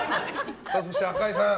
そして赤井さん